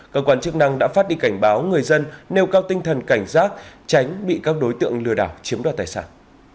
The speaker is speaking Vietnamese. cơ quan chức năng đã phát đi cảnh báo người dân nêu cao tinh thần cảnh giác tránh bị các đối tượng lừa đảo chiếm đoạt tài sản